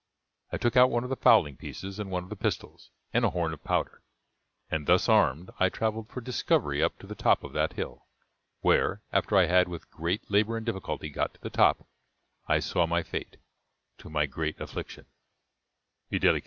I took out one of the fowling pieces, and one of the pistols, and a horn of powder; and thus armed I travelled for discovery up to the top of that hill, where, after I had with great labor and difficulty got to the top, I saw my fate, to my great affliction viz.